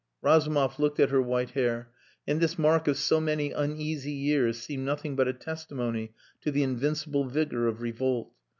Razumov looked at her white hair: and this mark of so many uneasy years seemed nothing but a testimony to the invincible vigour of revolt.